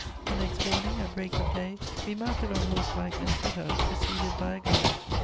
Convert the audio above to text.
The next morning, at break of day, we mounted on horseback and set out preceded by a guide.